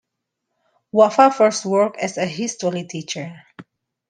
Wava first worked as a history teacher.